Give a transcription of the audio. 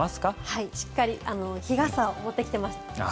はい、しっかり日傘を持ってきています。